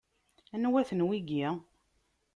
Anwa-ten wigi?